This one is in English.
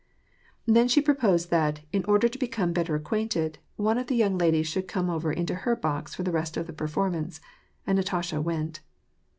Then she proposed that, in order to become better acquainted, one of the young ladies should come over into her box for the rest of the performance, and Natasha went.